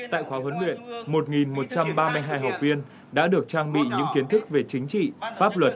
tại khóa huấn luyện một một trăm ba mươi hai học viên đã được trang bị những kiến thức về chính trị pháp luật